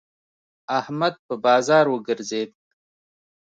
احمد په بازار وګرځېد.